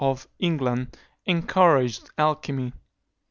of England encouraged alchymy.